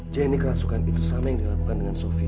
jenny kerasukan itu sama yang dilakukan dengan sophie